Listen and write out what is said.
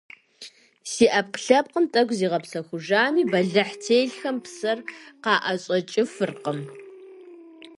Си Ӏэпкълъэпкъым тӀэкӀу зигъэпсэхужами, бэлыхь телъхэм псэр къаӀэщӀэкӀыфыркъым.